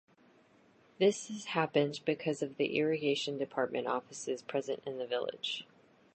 This is happened because of the Irrigation department offices present in the village.